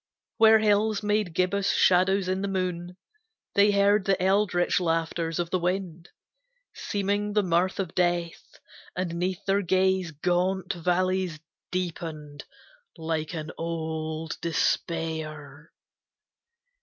Where hills made gibbous shadows in the moon, They heard the eldritch laughters of the wind, Seeming the mirth of death; and 'neath their gaze Gaunt valleys deepened like an old despair.